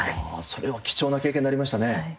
それは貴重な経験になりましたね。